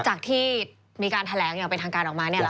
จากที่มีการแถลงอย่างเป็นทางการออกมาเนี่ยหรอครับ